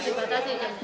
tidak dibatasi kan